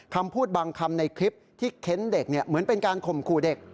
คำพูดบางคำในคลิปที่เค้นเด็กเหมือนเป็นการข่มขู่เด็ก